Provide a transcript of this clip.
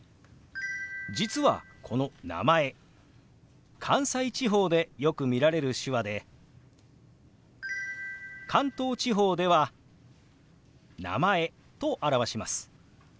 実はこの「名前」関西地方でよく見られる手話で関東地方では「名前」と表します。